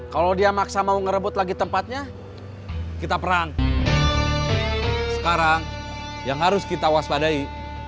kalau dia maksa mau ngerebut lagi tempatnya kita perang sekarang yang harus kita waspadai